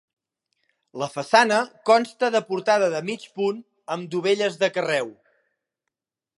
La façana consta de portada de mig punt amb dovelles de carreu.